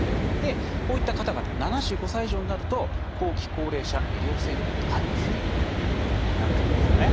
こういった方々７５歳以上になると後期高齢者医療制度に加入するということになっているんですよね。